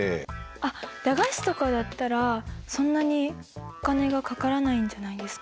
あっ駄菓子とかだったらそんなにお金がかからないんじゃないですか。